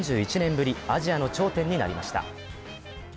ぶりアジアの頂点になりました。